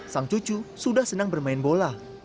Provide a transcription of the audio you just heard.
sang cucu sudah senang bermain bola